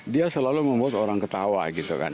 dia selalu membuat orang ketawa gitu kan